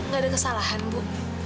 gak ada kesalahan bu